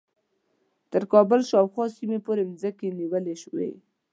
تر کابل شاوخوا سیمو پورې مځکې نیولې وې.